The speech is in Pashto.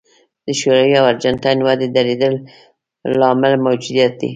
د شوروي او ارجنټاین ودې درېدو لامل موجودیت دی.